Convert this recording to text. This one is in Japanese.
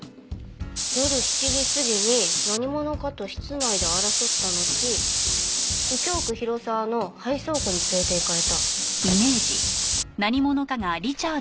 夜７時過ぎに何者かと室内で争ったのち右京区広沢の廃倉庫に連れていかれた。